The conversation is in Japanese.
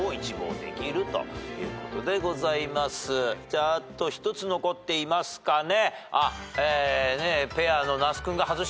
じゃああと１つ残っていますかね。